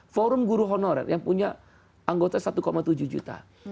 forum guru honorer yang punya anggota satu tujuh juta